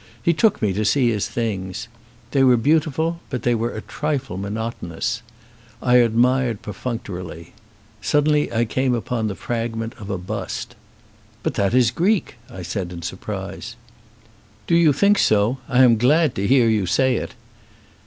He took me to see his things. They were beautiful, but they were a trifle monotonous. I admired perfuncto rily. Suddenly I came upon the fragment of a bust. "But that is Greek," I said, in surprise. "Do you think so? I am glad to hear you say it."